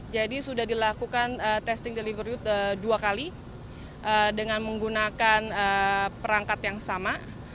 jadi sudah dilakukan testing delivery road dua kali dengan menggunakan perangkat yang sama